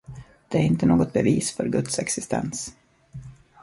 Det är inte något bevis för Guds existens.